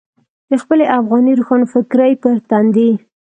د خپلې افغاني روښانفکرۍ پر تندي.